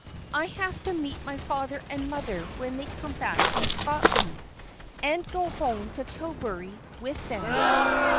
"I have to meet my father and mother when they come back from Scotland, and go home to Tillbury with them.